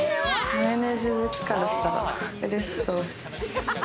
マヨネーズ好きからしたら嬉しそう。